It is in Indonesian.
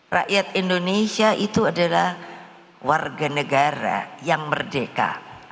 rakyat indonesia itu adalah warga negara yang merdeka